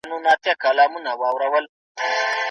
پخوا په ټولنه کي خلګو ډېري سختۍ تېرولې.